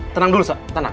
tenang dulu sa